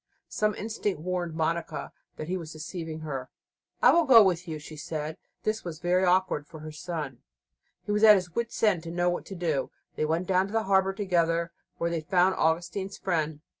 Some instinct warned Monica that he was deceiving her. "I will go with you," she said. This was very awkward for her son; he was at his wit's end to know what to do. They went down to the harbour together, where they found Augustine's friend.